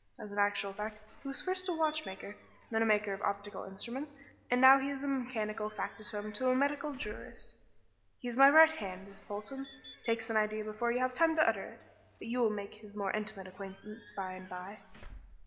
As an actual fact he was first a watchmaker, then a maker of optical instruments, and now he is mechanical factotum to a medical jurist. He is my right hand, is Polton; takes an idea before you have time to utter it but you will make his more intimate acquaintance by and by."